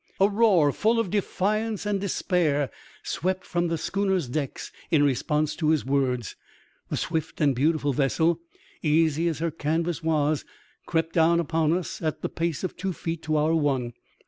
A roar full of defiance and despair swept from the schooner's decks in response to his words. The swift THIRST I AN OCEAN INCIDENT. 67 and beautiful vessel, easy as her canvas was, crept down upon us at the pace of two feet to our one.